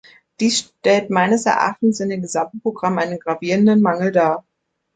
Dies stellt meines Erachtens in dem gesamten Programm einen gravierenden Mangel dar.